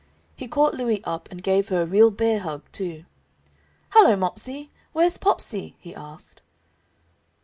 He caught Louie up and gave her a real bear hug, too. "Hello, Mopsey! where's Popsey?" he asked.